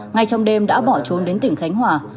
ngay trong đêm đã bỏ trốn đến tỉnh khánh hòa